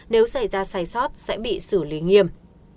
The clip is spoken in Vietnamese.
nếu xảy ra sai sót sẽ bị xử lý nghiêm